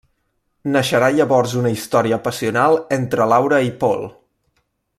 Naixerà llavors una història passional entre Laura i Paul.